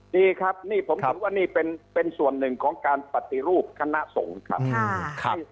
ดีครับนี่ผมถือว่านี่เป็นส่วนหนึ่งของการปฏิรูปคณะสงฆ์ครับ